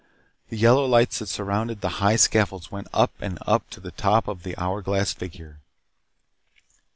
The yellow lights that surrounded the high scaffolds went up and up to the top of the hour glass figure.